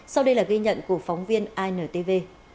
sau đây là ghi nhận của phóng viên intv